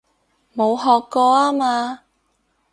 冇學過吖嘛